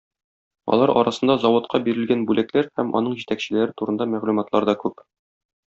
Алар арасында заводка бирелгән бүләкләр һәм аның җитәкчеләре турында мәгълүматлар да күп.